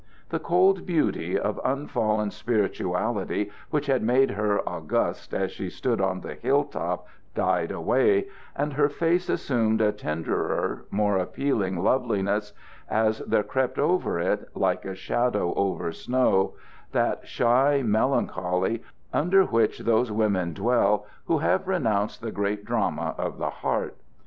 The cold beauty of unfallen spirituality which had made her august as she stood on the hill top died away, and her face assumed a tenderer, more appealing loveliness, as there crept over it, like a shadow over snow, that shy melancholy under which those women dwell who have renounced the great drama of the heart.